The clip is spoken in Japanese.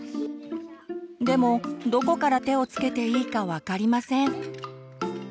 でもどこから手をつけていいか分かりません。